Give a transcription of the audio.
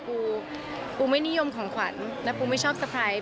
ปูปูไม่นิยมของขวัญและปูไม่ชอบเตอร์ไพรส์